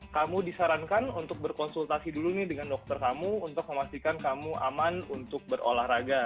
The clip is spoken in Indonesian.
kamu disarankan untuk berkonsultasi dulu nih dengan dokter kamu untuk memastikan kamu aman untuk berolahraga